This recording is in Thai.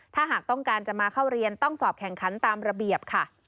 ถ้าหากต้องการจะมาเข้าเรียนต้องสอบแข่งขันตามระเบียบค่ะ